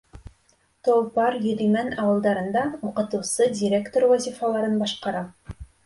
Толпар, Йөҙимән ауылдарында уҡытыусы, директор вазифаларын башҡара.